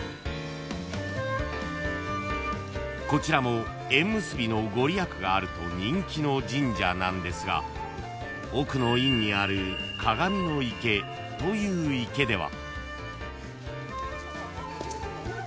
［こちらも縁結びの御利益があると人気の神社なんですが奥の院にある鏡の池という池では］